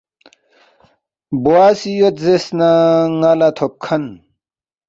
بوا سی یود زیرس نہ ن٘ا لہ تھوب کھن